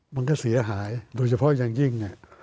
มันก็เสียหายโดยเฉพาะอย่างยิ่งเนี่ย